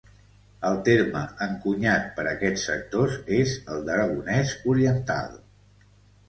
El terme encunyat per aquests sectors és el d'aragonès oriental.